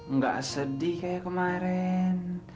nggak sedih kayak kemaren